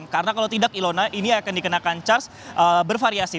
karena kalau tidak ilona ini akan dikenakan charge bervariasi